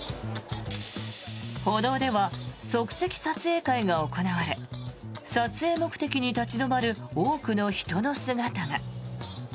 歩道では即席撮影会が行われ撮影目的で立ち止まる多くの人が。